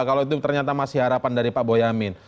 kalau itu ternyata masih harapan dari pak boyamin